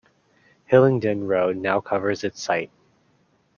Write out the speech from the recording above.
Hillingdon Road now covers its site.